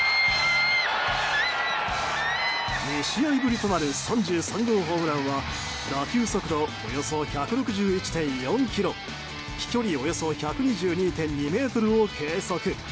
２試合ぶりとなる３３号ホームランは打球速度およそ１６１．４キロ飛距離およそ１２２．２ｍを計測。